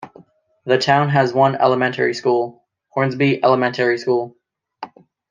The town has one elementary school: Hornsby Elementary School.